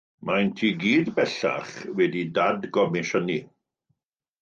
Maent i gyd bellach wedi eu dadgomisiynu.